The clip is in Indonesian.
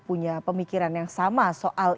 punya pemikiran yang sama soal